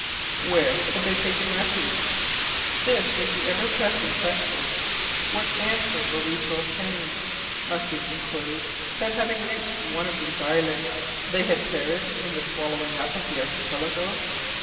Where had they taken refuge? This was the ever pressing question. What answer were we to obtain? Must we conclude that having reached one of these islets they had perished in the swallowing up of the archipelago?